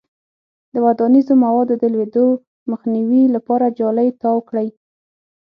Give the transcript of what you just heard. د ودانیزو موادو د لویدو مخنیوي لپاره جالۍ تاو کړئ.